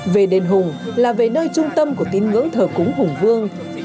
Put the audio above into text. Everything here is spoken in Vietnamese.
về đền hùng là về nơi trung tâm của tín ngưỡng thờ cúng hùng vương